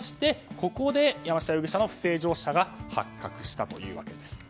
ここで山下容疑者の不正乗車が発覚したというわけです。